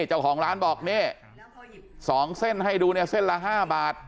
เจ้าของร้านบอกนี่๒เส้นให้ดูเนี่ยเส้นละ๕บาท